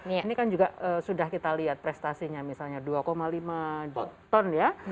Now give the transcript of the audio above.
ini kan juga sudah kita lihat prestasinya misalnya dua lima juta ton ya